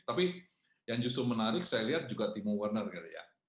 tapi yang justru menarik saya lihat juga timo werner